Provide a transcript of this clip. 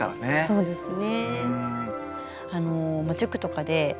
そうですね。